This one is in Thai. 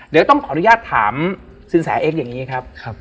เดี๋ยวต้องขออนุญาตถามสินแสเอ็กอย่างนี้ครับ